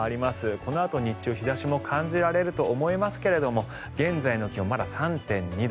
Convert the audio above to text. このあと日中、日差しも感じられると思いますけれど現在の気温まだ３．２度。